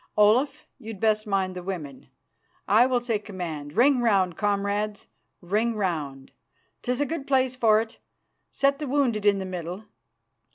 Olaf, you'd best mind the women; I will take command. Ring round, comrades, ring round! 'Tis a good place for it. Set the wounded in the middle.